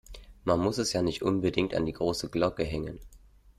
Man muss es ja nicht unbedingt an die große Glocke hängen.